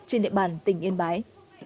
trên địa bàn tỉnh yên bái